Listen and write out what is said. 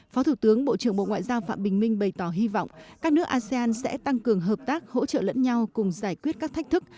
phó thủ tướng bộ trưởng bộ ngoại giao phạm bình minh bày tỏ hy vọng các nước asean sẽ tăng cường hợp tác hỗ trợ lẫn nhau cùng giải quyết các thách thức